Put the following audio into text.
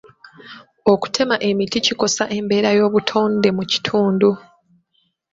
Okutema emiti kikosa embeera y'obutonde mu kitundu.